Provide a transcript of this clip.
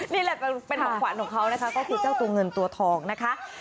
นี่แหละเป็นของขวัญของเขานะคะก็คือเจ้าตัวเงินตัวทองนะคะ